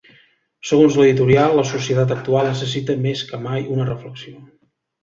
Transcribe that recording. Segons l’editorial, la societat actual necessita més que mai una reflexió.